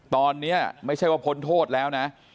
ตอนนี้ไม่ใช่ว่าพ้นโทษแล้วนะ